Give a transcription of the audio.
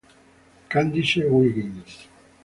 Candice Wiggins